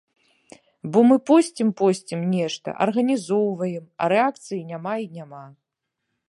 Бо мы посцім-посцім нешта, арганізоўваем, а рэакцыі няма і няма.